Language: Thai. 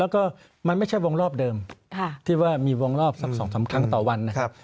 แล้วก็มันไม่ใช่วงรอบเดิมที่ว่ามีวงรอบสัก๒๓ครั้งต่อวันนะครับ